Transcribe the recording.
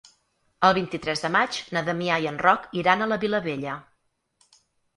El vint-i-tres de maig na Damià i en Roc iran a la Vilavella.